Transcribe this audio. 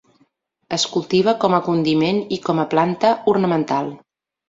Es cultiva com a condiment i com a planta ornamental.